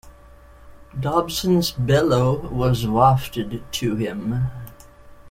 Dobson's bellow was wafted to him.